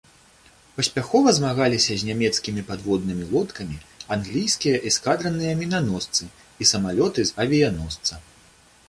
Паспяхова змагаліся з нямецкімі падводнымі лодкамі англійскія эскадраныя мінаносцы, і самалёты з авіяносца.